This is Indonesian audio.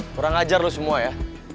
kurang ajar loh semua ya